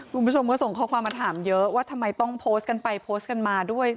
คุณผู้ชมก็ส่งข้อความมาถามเยอะว่าทำไมต้องโพสต์กันไปโพสต์กันมาด้วย